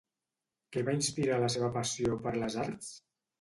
Què va inspirar la seva passió per les arts?